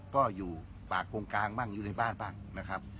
ก็อยู่ปากกงกลางบ้างอยู่ในบ้านบ้างนะครับ